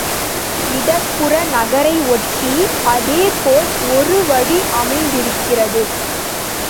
இடப் புறம் நகரை ஒட்டி அதேபோல் ஒரு வழி அமைந்திருந்தது.